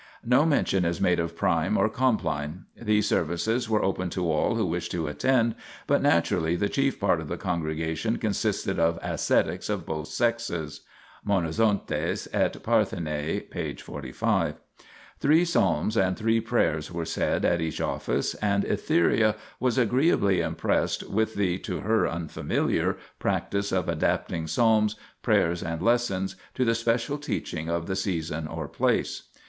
No mention is made of Prime or Compline. These services were open to all who wished to attend, but naturally the chief part of the congregation consisted of ascetics of both sexes (monazontes et parthenae, p. 45). Three psalms 2 and three prayers were said at each office, and Etheria was agreeably impressed with the (to her unfamiliar) practice of adapting Psalms, Prayers and Lessons 3 to the special teaching of the season or place.